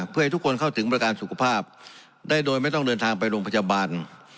เพื่อให้ทุกคนเข้าถึงบริการสุขภาพได้โดยไม่ต้องเดินทางไปโรงพยาบาล